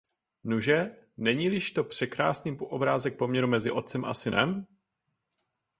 Nuže, není-liž to překrásný obrázek poměru mezi otcem a synem?